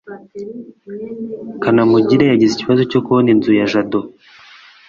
kanamugire yagize ikibazo cyo kubona inzu ya jabo